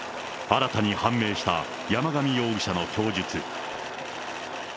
新たに判明した山上容疑者の供述。